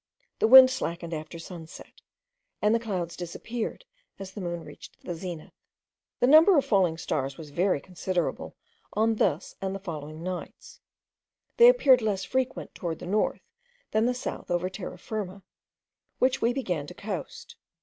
The wind slackened after sunset, and the clouds disappeared as the moon reached the zenith. The number of falling stars was very considerable on this and the following nights; they appeared less frequent towards the north than the south over Terra Firma, which we began to coast.